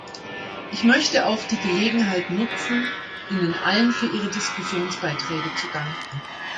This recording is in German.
Ich möchte auch die Gelegenheit nutzen, Ihnen allen für Ihre Diskussionsbeiträge zu danken.